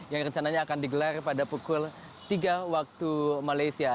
yang rencananya akan digelar pada pukul tiga waktu malaysia